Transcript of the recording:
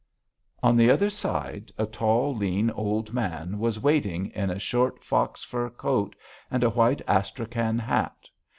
On the other side a tall, lean old man was waiting in a short fox fur coat and a white astrachan hat.